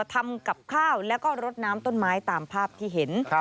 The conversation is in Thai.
ทำกับข้าวแล้วก็รดน้ำต้นไม้ตามภาพที่เห็น